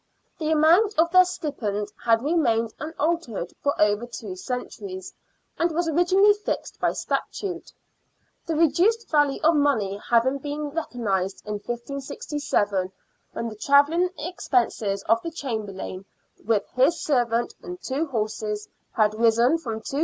The amount of their stipend had remained unaltered for over two centuries, and was originally fixed by statute. The reduced value of money having been recognised in 1567, when the travelling expenses of the Chamberlain, with his servant and two horses, had risen from 2s.